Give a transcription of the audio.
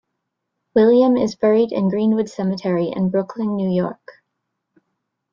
William is buried in Green-Wood Cemetery in Brooklyn, New York.